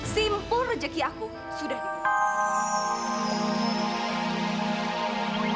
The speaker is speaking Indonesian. simpul rejeki aku sudah dikirim